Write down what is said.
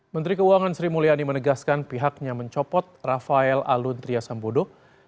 menteri keuangan sri mulyani menegaskan pihaknya mencopot rafael alun triasambodo